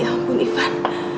ya ampun ivan